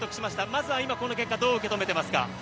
まずはこの結果どう受け止めていますか？